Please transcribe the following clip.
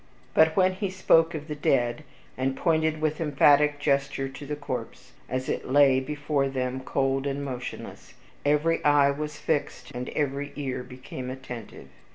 But when he spoke of the dead, and pointed with emphatic gesture to the corse, as it lay before them cold and motionless, every eye was fixed, and every ear became attentive.